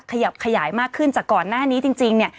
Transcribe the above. ขยับขยายมากขึ้นจากก่อนหน้านี้จริงเนี่ย